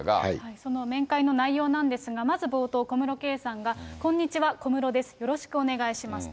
その面会の内容なんですが、まず冒頭、小室圭さんが、こんにちは、小室です、よろしくお願いしますと。